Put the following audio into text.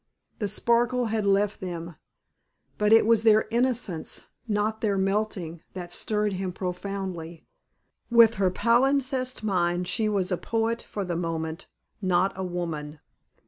The sparkle had left them, but it was their innocence, not their melting, that stirred him profoundly. With her palimpsest mind she was a poet for the moment, not a woman.